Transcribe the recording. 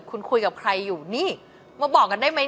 คุณคุยกับใครอยู่นี่มาบอกกันได้ไหม